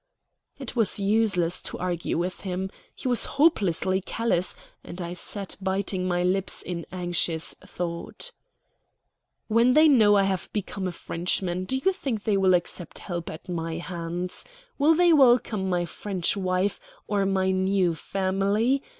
It was useless to argue with him. He was hopelessly callous; and I sat biting my lips in anxious thought. "When they know I have become a Frenchman, do you think they will accept help at my hands? Will they welcome my French wife, or my new family?